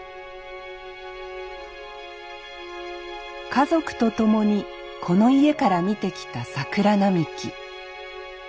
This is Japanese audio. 家族と共にこの家から見てきた桜並木